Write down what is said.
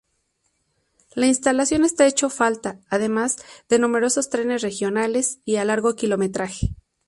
La instalación está hecho falta además de numerosos trenes regionales y a largo kilometraje.